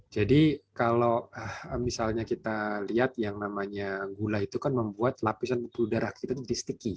jadi kalau misalnya kita lihat yang namanya gula itu kan membuat lapisan udara kita kristik